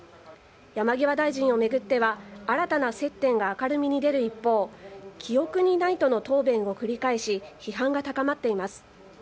山際大臣を巡っては、新たな接点が明るみに出る一方、記憶にないとの答弁を繰り返し、批判が高まっています。